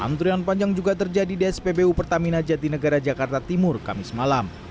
antrean panjang juga terjadi di spbu pertamina jati negara jakarta timur kamis malam